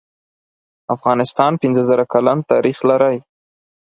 افغانستان پنځه زره کلن تاریخ لری